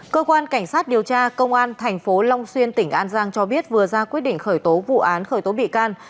cơ quan cảnh sát điều tra công an tp long xuyên tỉnh an giang cho biết vừa ra quyết định khởi tố vụ án khởi tố bị can